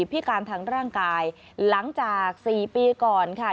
พิการทางร่างกายหลังจาก๔ปีก่อนค่ะ